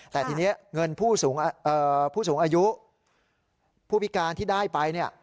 แต่ทีนี้เงินผู้สูงอายุผู้พิการที่ได้ไปเนี่ย